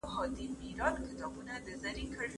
زه مينه څرګنده کړې ده!.